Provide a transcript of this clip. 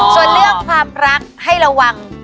ส่วนเรื่องความรักให้ระวัง